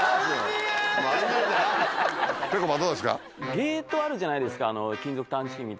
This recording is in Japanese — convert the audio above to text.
ゲートあるじゃないですか。